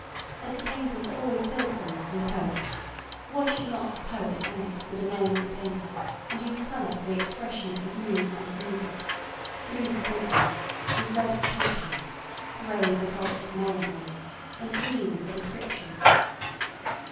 As the painters are always pilfering from the poets, why should not the poet annex the domain of the painter and use colour for the expression of his moods and music: blue for sentiment, and red for passion, grey for cultured melancholy, and green for descriptions?